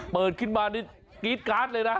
เปิดขึ้นมานี่กรี๊ดการ์ดเลยนะ